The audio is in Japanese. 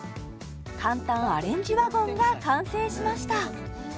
簡単アレンジワゴンが完成しました